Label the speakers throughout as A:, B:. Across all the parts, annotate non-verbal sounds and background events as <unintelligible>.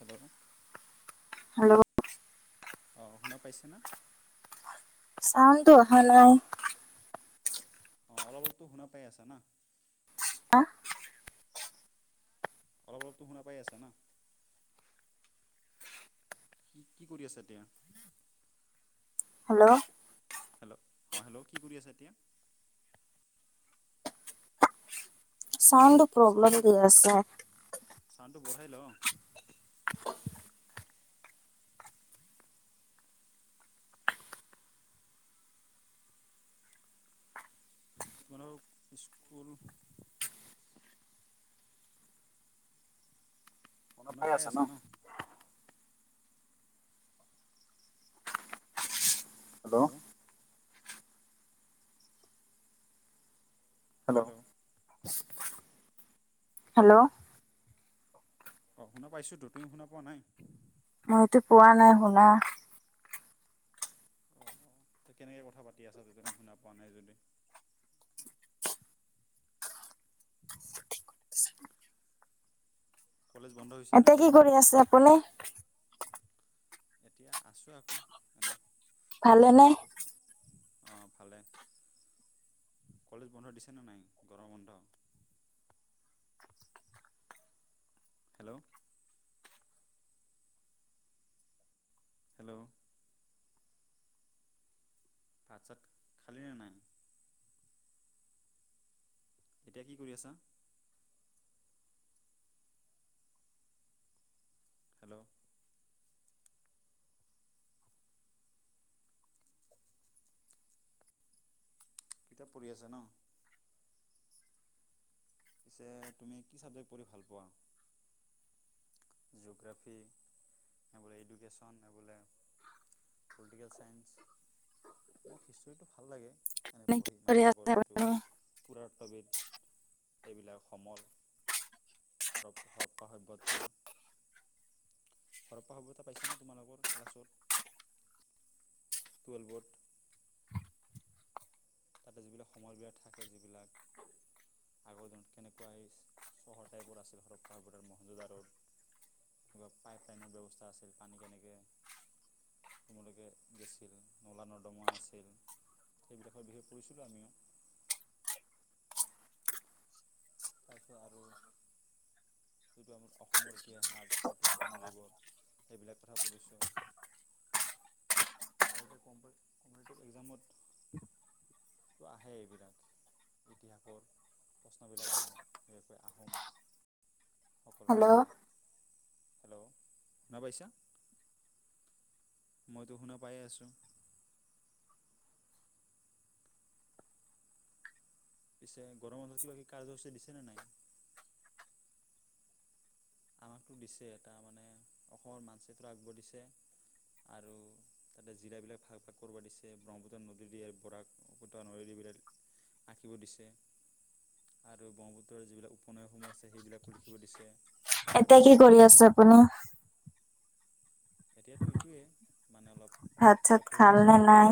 A: Hello.
B: Hello.
A: অ', শুনা পাইছেনা?
B: চাউণ্ডটো অহা নাই।
A: অ', অলপ অলপতো শুনা পাই আছা না? অলপ অলপতো শুনা পাই আছা না? কি কি কৰি আছা এতিয়া?
B: হেল্ল'।
A: হেল্ল' অ', হেল্ল' কি কৰি আছা এতিয়া?
B: চাউণ্ডটো প্ৰব্লেম
A: চাউণ্ডটো
B: দি আছে
A: চাউণ্ডটো বঢ়াই ল কোনও স্কুল <unintelligible> শুনা পাই আছা ন হেল্ল' হেল্ল'
B: হেল্ল'
A: অঁ শুনা পাইছোঁতো তুমি শুনা পোৱা নাই
B: মইতো পোৱা নাই শুনা
A: অঁ অ তো কেনেকৈ কথা পাতি আছা তুমি শুনা পোৱা নাই যদি উ <inaudible> কলেজ বন্ধ হৈছে
B: এতে কি কৰি আছে আপুনি
A: এতিয়া আছোঁ আকৌ এনেই বহি
B: ভালেনে
A: আছোঁ অ ভালে কলেজ বন্ধ দিছে নে নাই গৰম বন্ধ হেল্ল' হেল্ল' ভাত চাত খালি নে নাই এতিয়া কি কৰি আছা হেল্ল' কিতাপ পঢ়ি আছে ন পিছে তুমি কি ছাবজেক্ট পঢ়ি ভাল পোৱা জিঅগ্ৰাফী এই বোলে এডুকেশ্যন এই বোলে পলিটিকেল চায়েঞ্চ মোৰ হিষ্টৰীটো ভাল লাগে এনেই
B: নে কি
A: পঢ়ি
B: কৰি
A: মানে
B: আছে
A: আগৰ যিটো
B: আপুনি
A: পদাৰ্থবিদ এইবিলাক সমল হৰ হৰপ্পা সভ্যতা হৰপ্পা সভ্যতা পাইছানে তোমালোকৰ ক্লাছত টুৱেলভত তাতে যিবিলাক সময় বিলাক থাকে যিবিলাক আগৰ দিনত কেনেকুৱা চহৰ টাইপৰ আছিল হৰপ্পা সভ্যতা মহেঞ্জোদাৰোত কিবা পাইপলাইনৰ ব্যৱস্থা আছিল পানী কেনেকে তোমালোকে গেছিল নলা নৰ্দমা আছিল বি এ পৰিছিলোঁ আমিও তাৰপিছত আৰু যিটো আমাৰ অসমৰ ইতিহাস যিটো আহোম যুগত সেইবিলাক কথা পঢ়িছোঁ আৰু এতিয়া কম্পিটিটিভ এক্সামত ত' আহে এইবিলাক ইতিহাসৰ প্ৰশ্নবিলাক আহে বিশেষকৈ আহোম সকলোৰে
B: হেল্ল'
A: এইবিলাক হেল্ল' শুনা পাইছা মইতো শুনা পাইয়ে আছো পিছে গৰম বন্ধত কিবা কিবি কাৰ্যসূচী দিছে নে নাই আমাকতো দিছে এটা মানে অসমৰ মানচিত্ৰ আকিব দিছে আৰু তাতে জিলাবিলাক ভাগ ভাগ কৰা দিছে ব্ৰহ্মপুত্ৰ নদীৰে বৰাক পুতা নদীদ বিলাক আঁকিব দিছে আৰু ব্ৰহ্মপুত্ৰৰ যিবিলাক উপনৈসমূহ আছে সেইবিলাকো লিখিব দিছে আঁকিব
B: এতিয়া
A: দিছে
B: কি কৰি আছে আপুনি
A: এতিয়াতো এইটোৱে মানে অলপ
B: ভাত
A: বুক
B: চাত
A: কিতাপ পঢ়ি
B: খাল নে
A: আছিলো
B: নাই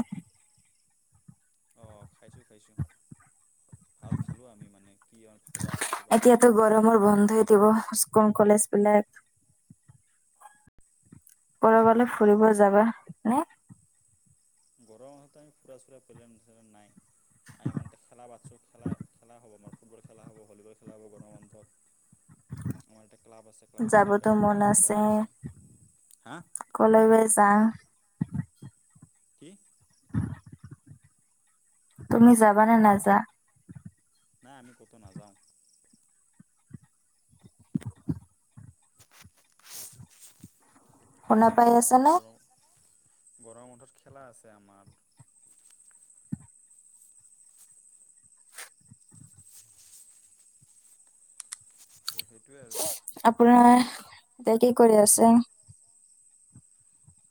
A: অ খাইছো খাইছো ভাত খালোঁ আমি মানে কি আমাৰ ভাজা আছিল কিবা আলু আৰু কাঠল গুটি
B: কোন কলেজ বিলাক কৰবালে ফুৰিব যাবা নে
A: গৰম মাহত আমি ফুৰা চুৰা প্লেন নাই আমি মানে এতিয়া খেলা পাতিছো খেলা খেলা হ'ব আমাৰ ফুটবল খেলা হ'ব ভলী বল খেলা হ'ব গৰমৰ বান্ধত আমাৰ এটা ক্লাব আছে ক্লাবৰ ফিল্ড
B: যাবতো
A: আছে
B: মন
A: ডাঙৰ গ্ৰাউণ্ড আছে হা
B: কলে গৈ আছা
A: কি
B: তুমি যাবা নে নাযা
A: নাই আমি ক'তো নাযাওঁ
B: শুনা পাই
A: হয়
B: আছে নে
A: গৰ গৰম বন্ধ খেলা আছে আমাৰ সেইটোৱে আৰু
B: আপোনাৰ এতিয়া কি কৰি আছে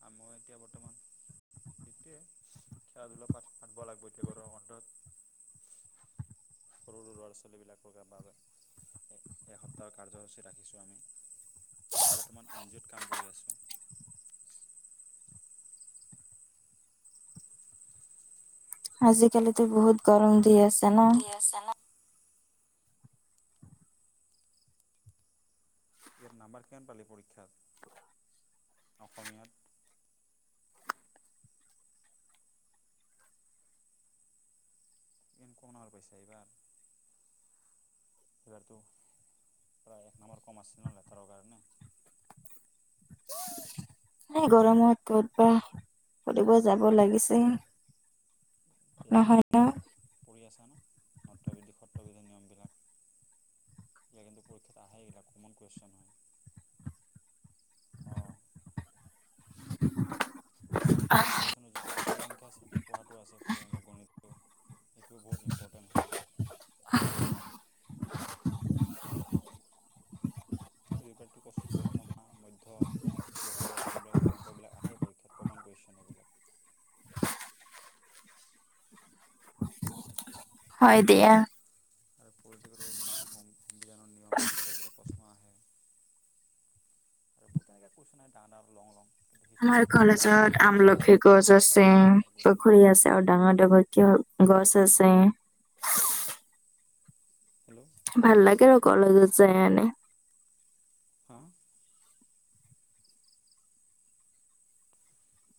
A: আ মই এতিয়া বৰ্তমান এইটোৱে খেলা ধূলা পাত পাতব লাগিব এতিয়া গৰম বন্ধত সৰু সৰু ল'ৰা ছোৱালীবিলাকৰ বাবে এসপ্তাহৰ কাৰ্যসূচী ৰাখিছোঁ আমি আমি বৰ্তমান এন জি অ'ত কাম কৰি আছো
B: আজিকালিতো বহুত গৰম দি আছে ন
A: দি আছে ইয়াত নাম্বাৰ কিমান পালি পৰীক্ষাত অসমীয়াত ইনকনাৰ পাইচা এইবাৰ এইবাতো প্ৰায় এক নম্বৰ কম আছিল ন লেটাৰৰ কাৰণে
B: সেই গৰমত কত বা ফুৰিব যাব
A: পিছে
B: লাগিছে উম
A: ব্যাকৰণ পঢ়ি আছা ন নট্ববিধি সত্ৰবিধিৰ নিয়মবিলাক এই কিন্তু পৰীক্ষাত আহেই গিলা কমন কুৱেশন হয়। অ
B: <inaudible>
A: আৰু আমাৰ যিটো ইডুকেচনৰ যিটো পৰিসংখ্যা পঢ়াটো আছে পৰিসংখ্যা গণিতটো সেইটোও বহুত ইম্পৰ্টেণ্ট হয় সেইজোৰপটো কচ মধ্যমা মধ্য বহুলক সেইবিলাকতো অংকবিলাক আহে পৰীক্ষাত কমন কুৱেশন এইবিলাক
B: হয় দিয়া
A: আৰু পলিটিকেলৰ যেনে সংবিধানৰ নিয়ম এইবিলাকৰ পৰা প্ৰশ্ন আহে বহুত তেনেকে কুৱেচন আহে ডাঙৰ ডাঙৰ লং লং কিন্তু
B: আমাৰ
A: হিষ্ট্ৰীটো ভাল হয়
B: কলেজত
A: ডেৰ পেজমান
B: আমলখি
A: লিখিলে পাঁচ
B: গছ
A: নম্বৰ পাই
B: আছে
A: যায় পাঁচ নম্বৰ কুৱেশ্যন
B: পুখুৰী আছে
A: এনচাৰবিলাক
B: আৰু ডাঙৰ ডাঙৰ তোৰ গছ আছে
A: হেল্ল
B: ভাল লাগে আৰু কলেজত যাই কেনে
A: অ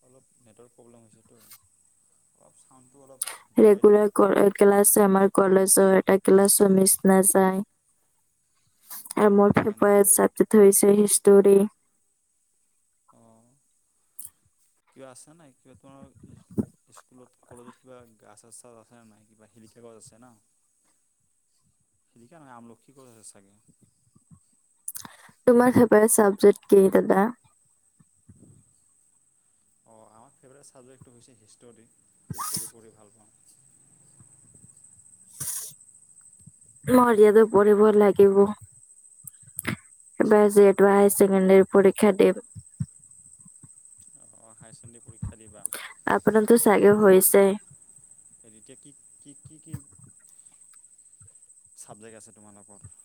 A: অলপ নেটৱৰ্ক প্ৰব্লেম হৈছেতো অলপ চাউণ্ডটো অলপ বঢ়াই দিম
B: ৰেগুলাৰ ক্লাছ আমাৰ কলেজৰ এটা ক্লাছো মিচ নাযায় আৰু
A: অঁ
B: মোৰ
A: হয়
B: ফেফাই
A: নেকি
B: চাবজেক্ট হৈছে হিষ্টৰি
A: অ কিবা আছো নাই কিবা কৰ স্কুলত কলেজত কিবা গাছ চাচ আছেনে নাই কিবা শিলিখা গছ আছে ন শিলাখা নহয় আমলক্ষী গছ আছে চাগে
B: তোমাৰ
A: হয়নে
B: ফেভৰেট চাবজেক্ট কি দাদা
A: অ', আমাৰ ফেভৰেট ছাবজেক্টটো হৈছে হিষ্টৰী হিষ্টৰী পঢ়ি ভাল পাওঁ।
B: মৰিয়াতো পঢ়িব লাগিব এইবাৰ এই যে হায়াৰ চকেণ্ডাৰী পৰীক্ষা দিম
A: অ', হায়াৰ ছেকেণ্ডেৰী
B: আপোনাৰতো
A: পৰীক্ষা
B: চাগে হৈছে
A: দিবা পিছত কি এতিয়া কি কি চাবজেক্ট আছে তোমালোকৰ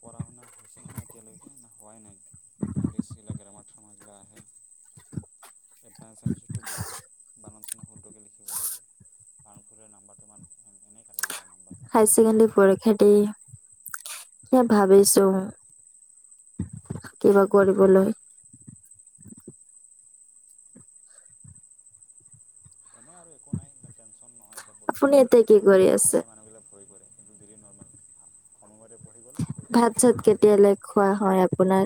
A: পঢ়া শুনা হৈছেনে নাই এতিয়ালৈকে নে হোৱাই নাই এনডি চি ল গ্ৰামাৰ থ্ৰামাৰ গিলা আহে এডভান্স এছামিছ বহুত বানান চানান ভালকে লিখিব লাগে কাৰণ বানান ভুল হ'লে নাম্বাৰটো ইমান এনে কাটি দিব ন
B: হায়াৰ ছেকেণ্ডাৰী পৰীক্ষা দি এ ভাবিছো কিবা কৰিবলৈ
A: এনেই আৰু একো নাই ইমান টেনচন নহয় এতিয়া
B: আপুনি এতিয়া কি কৰি
A: পৰীক্ষাবিলাক
B: আছে
A: এনে মানুহবিলাক ভয় কৰে। তুমি যদি নৰ্মেল সময়মতে পঢ়ি গ'লে
B: ভাত
A: পৰীক্ষাবিলাক
B: চাত
A: ভাল হৈ যায়।
B: কেতিয়ালৈ খোৱা হয় আপোনাৰ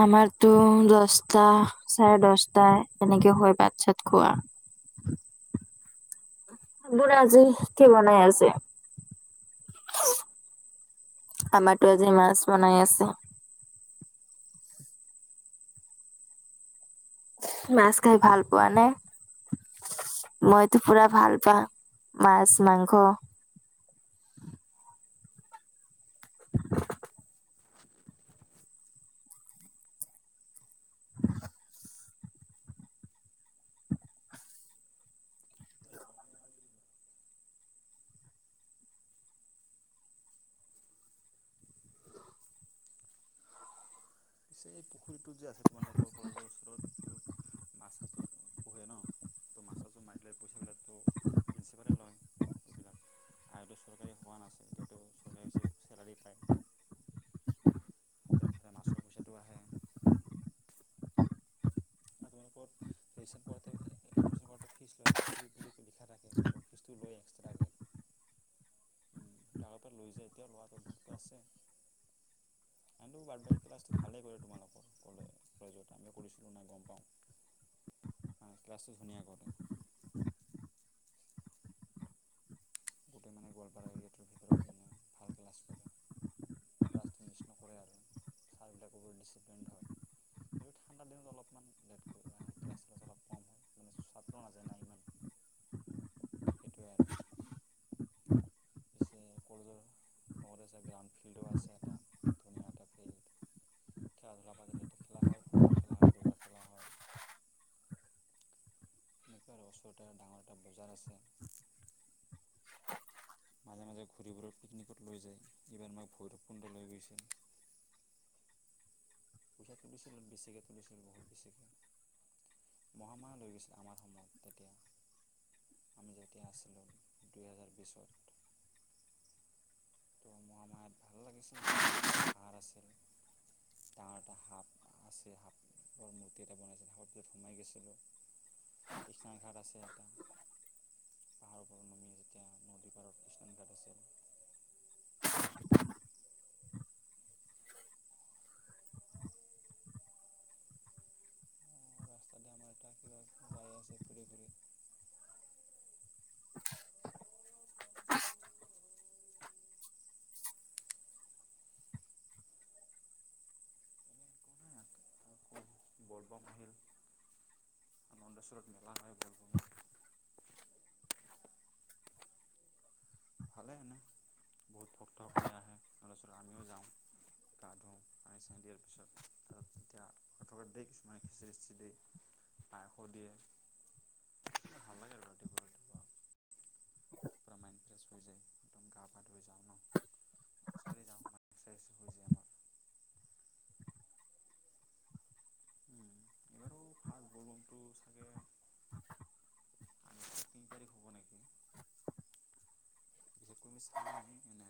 B: আমাৰতো দছটা চাৰে দছটা এনেকে হয় ভাত চাত খোৱা বুঢ়া আজি কি বনাই আছে আমাৰতো আজি মাছ বনাই আছে মাছ খাই ভাল পোৱা নে মইতো পুৰা ভাল পাওঁ মাছ মাংস <inaudible>
A: <inaudible> পিছে এই পুখুৰীটো যে আছে তোমালোকৰ কলেজৰ ওচৰত মাছ চাছো পোহে ন তো মাছ চাছটো মাৰি দিলে পইচা বিলাক তো প্ৰিন্ঞ্চিপালে লয় এইবিলাক আগতেতো চৰকাৰী হোৱা নাছিল এতিয়াতো চৰকাৰী হৈছে চেলাৰী পায়। তেতি ফালে <unintelligible> মাছৰ পইচাটো আহে আপোনালোকৰ এডমিশ্যন কৰাঁতে এডমিশ্যন কৰাতে ফিজ লয় ন ফিজ ফ্ৰী বুলি লিখা থাকে কিন্তু ফিজটো লয় এক্সট্ৰাকে আগৰ পৰা লয় যে এতিয়াও লোৱাটো অভ্যাসটো আছে আনটো বাদে ক্লাছটো ভালেই কৰে তোমালোকৰ ক'লে যত আমি কৰিছিলোঁ নাই গ'ম অহ ক্লাছটো ধুনীয়া কৰে গোটেই মানে গোৱালপাৰা এৰিয়াটোৰ ভিতৰত মানে ভাল ক্লাছ কৰে ক্লাজটো মিছ নকৰে আৰু ছাৰবিলাকো বৰ ডিচিপ্লইন হয় কিন্তু ঠাণ্ডা দিনত অলপমান লেট কৰি আহে ক্লাছ চ্লাছ অলপ কম হয় মানে ছাত্ৰ নাজাই না ইমান সেইটোৱে আৰু পিছে কলেজৰ লগতে আছে গ্ৰাউণ্ড ফিল্ডো আছে এটা ধুনীয়া এটা ফিল্ড খেলা ধূলা খেলা হয় ফুটবল খেলা হয় দৌৰা খেলা হয় সিহঁতৰ ওচৰতে ডাঙৰ এটা বজাৰ আছে মাজে মাজে ঘূৰিবোৰৰ পিকনিকত লৈ যায় ইবাৰ আমাক ভৈৰৱ কুণ্ড লৈ গৈছিল পইচা তুলিছিল বেছিকৈ তুলিছিল বহুত বেছিকৈ মহামায়া লৈ গৈছিল, আমাৰ সময়ত তেতিয়া। আমি যেতিয়া আছিলোঁ, দুহেজাৰ বিছত। ত' মহামায়াত ভাল লাগিছিল গৈ হেনো, পাহাৰ আছিল। ডাঙৰ এটা সাপ আছে, সাপৰ মূৰ্তি এটা বনাইছিলে, মূৰ্তিত সোমাই গৈছিলোঁ। স্নান ঘাট আছে এটা। পাহাৰৰ পৰা নামি যেতিয়া নদী পাৰত স্নান ঘাট আছিল। অ' ৰাস্তাতে আমাৰ এটা কিবা যাই আছে ঘূৰি ফুৰি। এনে একো নাই আকৌ ব'লবম আহিল, <unintelligible> নন্দেশ্বৰত মেলা হয় ব'লবমত। ভালে এনে, বহুত ভক্তসকলে আহে <unintelligible> আমিও যাওঁ। গা ধোওঁ পানী চানি দিয়াৰ পিছত তা তেতিয়া <unintelligible> কিছুমান খিচিৰি ছিচিৰি দে। পায়সো দিয়ে, <unintelligible> ভাল লাগে আৰু ৰাতিপুৱা ৰাতিপুৱা। পোৰা মাইণ্ড ফ্ৰেছ হৈ যায়, একদম গা পা ধুই যাওঁ ন'। খোজকাঢ়ি যাওঁ <unintelligible> হৈ যায় আমাৰ। উম, এইবাৰো ফাৰ্ষ্ট ব'লবমটো চাগে আ, তিন তাৰিখ হ'ব নেকি। <unintelligible>